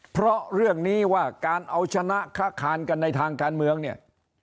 เพราะเรื่องนี้ว่าการเอาชนะค้าคานกันในทางการเมืองเนี่ย